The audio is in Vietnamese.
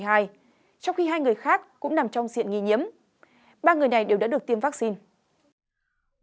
trong khi hai người khác cũng nằm trong diện nghi nhiễm ba người này đều đã được tiêm vaccine